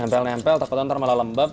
nempel nempel takut ntar malah lembab